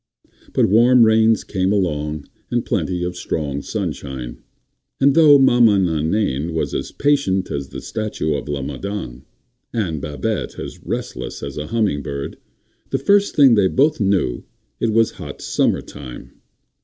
But warm rains came along and plenty of strong sunshine, and though Maman Nainaine was as patient as the statue of la Madone, and Babette as restless as a humming bird, the first thing they both knew it was hot summer time.